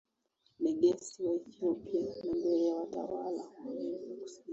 Negesti wa Ethiopia na mbele ya watawala wa Amerika Kusini